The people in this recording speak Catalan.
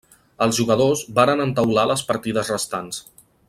Els jugadors varen entaular les partides restants.